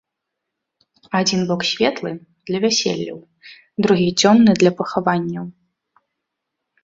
Адзін бок светлы, для вяселляў, другі цёмны, для пахаванняў.